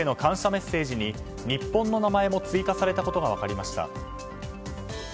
メッセージに日本の名前も追加されたことが分かりました。